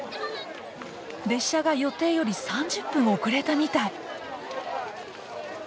列車が予定より３０分遅れたみたい。